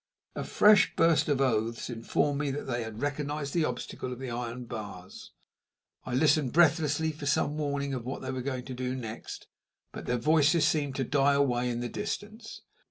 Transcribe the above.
A fresh burst of oaths informed me that they had recognized the obstacle of the iron bars. I listened breathlessly for some warning of what they were going to do next, but their voices seemed to die away in the distance.